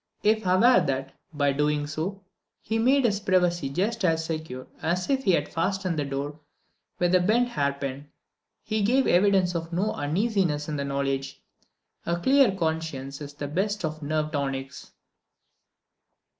If aware that, by so doing, he made his privacy just as secure as if he had fastened the door with a bent hair pin, he gave evidence of no uneasiness in the knowledge. A clear conscience is the best of nerve tonics.